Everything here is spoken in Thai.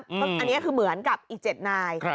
อันนี้คือเหมือนกับอีก๗นาย